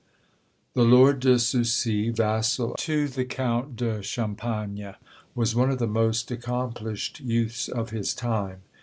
The Lord de Coucy, vassal to the Count de Champagne, was one of the most accomplished youths of his time.